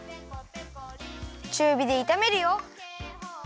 ちゅうびでいためるよ。